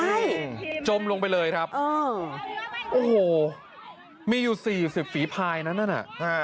ใช่จมลงไปเลยครับโอ้โฮมีอยู่๔๐ฝีพายนั้นน่ะ